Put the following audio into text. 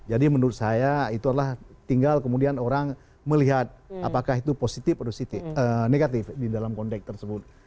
jadi menurut saya itu adalah tinggal kemudian orang melihat apakah itu positif atau negatif di dalam konteks tersebut